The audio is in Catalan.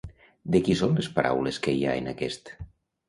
De qui són les paraules que hi ha en aquest?